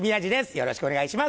よろしくお願いします！